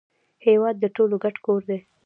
هیواد د ټولو ګډ کور دی